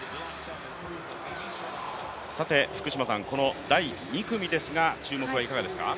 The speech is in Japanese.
この第２組ですが、注目はいかがですか？